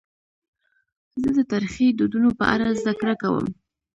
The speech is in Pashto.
زه د تاریخي دودونو په اړه زدهکړه کوم.